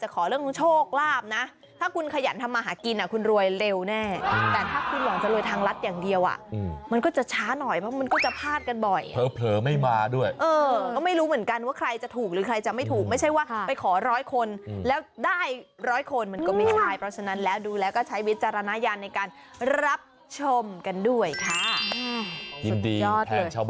แต่ขอเรื่องโชคลาภนะถ้าคุณขยันทำมาหากินคุณรวยเร็วแน่แต่ถ้าคุณหวังจะรวยทางรัฐอย่างเดียวอ่ะมันก็จะช้าหน่อยเพราะมันก็จะพลาดกันบ่อยเผลอไม่มาด้วยเออก็ไม่รู้เหมือนกันว่าใครจะถูกหรือใครจะไม่ถูกไม่ใช่ว่าไปขอร้อยคนแล้วได้ร้อยคนมันก็ไม่ใช่เพราะฉะนั้นแล้วดูแล้วก็ใช้วิจารณญาณในการรับชมกันด้วยค่ะ